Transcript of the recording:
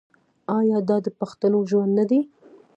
آیا دا د پښتنو ژوند نه دی؟